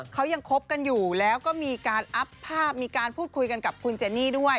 เขายังคบกันอยู่แล้วก็มีการอัพภาพมีการพูดคุยกันกับคุณเจนี่ด้วย